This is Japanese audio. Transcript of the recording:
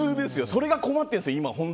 それが困っているんです。